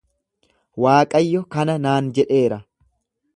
Waaqayyo akkana naan jedheera.